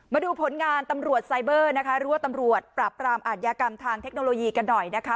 มาดูผลงานตำรวจไซเบอร์นะคะหรือว่าตำรวจปราบปรามอาทยากรรมทางเทคโนโลยีกันหน่อยนะคะ